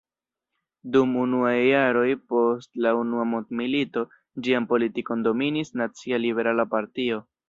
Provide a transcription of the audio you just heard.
Dum unuaj jaroj post la unua mondmilito ĝian politikon dominis Nacia Liberala Partio.